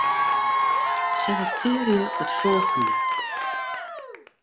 Selektearje it folgjende.